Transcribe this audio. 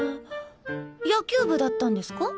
野球部だったんですか？